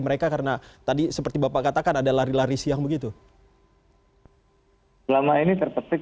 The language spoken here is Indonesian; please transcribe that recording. mereka karena tadi seperti bapak katakan ada lari lari siang begitu lama ini terpetik